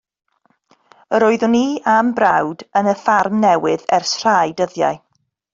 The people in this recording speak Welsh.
Yr oeddwn i a'm brawd yn y ffarm newydd ers rhai dyddiau.